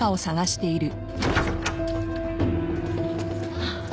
あっ。